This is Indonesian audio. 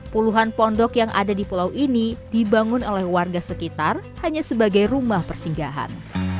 puluhan pondok yang ada di pulau ini dibangun oleh warga sekitar hanya sebagai rumah persinggahan